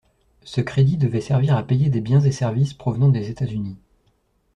Ce crédit devait servir à payer des biens et services provenant des États-Unis.